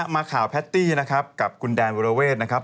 มาข่าวแพตตี้นะครับกับคุณแดนวรเวทนะครับ